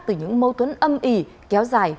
từ những mâu thuẫn âm ỉ kéo dài